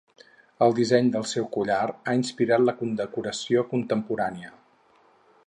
El disseny del seu collar ha inspirat la condecoració contemporània.